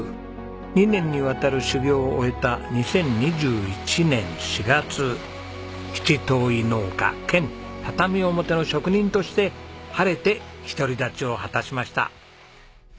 ２年にわたる修業を終えた２０２１年４月七島藺農家兼畳表の職人として晴れて独り立ちを果たしました。